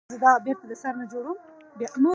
په لسمه زېږدیزې پیړۍ کې د سامانیانو قلمرو یوه برخه وه.